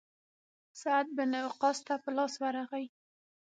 سعد بن وقاص ته په لاس ورغی.